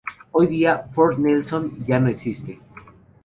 Hoy día, Fort Nelson ya no existe.